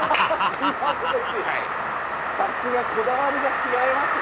さすがこだわりが違いますね。